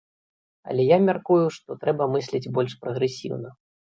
Але я мяркую, што трэба мысліць больш прагрэсіўна.